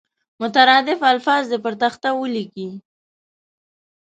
مترادف الفاظ دې پر تخته ولیکي.